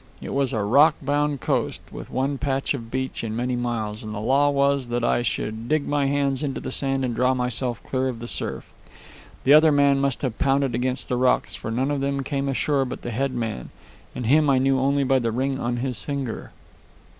It was a rock bound coast, with one patch of beach in many miles, and the law was that I should dig my hands into the sand and draw myself clear of the surf. The other men must have pounded against the rocks, for none of them came ashore but the head man, and him I knew only by the ring on his finger.